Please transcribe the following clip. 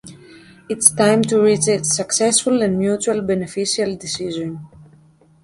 It's time to reach a successful and mutually beneficial decision.